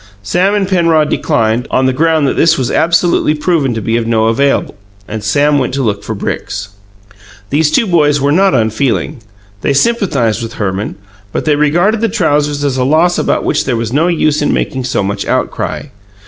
Sam and Penrod declined, on the ground that this was absolutely proven to be of no avail, and Sam went to look for bricks. These two boys were not unfeeling. They sympathized with Herman; but they regarded the trousers as a loss about which there was no use in making so much outcry.